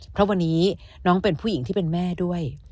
เพราะวันนี้น้องเป็นผู้หญิงที่เป็นแม่ด้วย